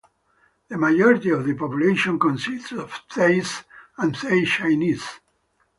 The majority of the population consists of Thais and Thai Chinese.